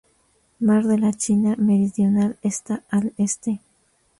Mar de la China Meridional está al este.